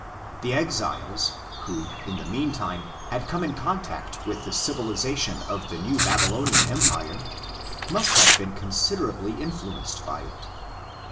The exiles, who in the meantime had come in contact with the civilisation of the New Babylonian Empire, must have been considerably influenced by it.